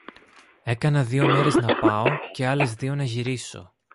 Έκανα δυο μέρες να πάω, και άλλες δυο να γυρίσω.